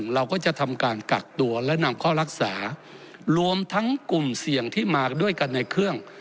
เราก็จะทำการกักตัวและนำเข้ารักษารวมทั้งกลุ่มเสี่ยงที่มาด้วยกันในเครื่อง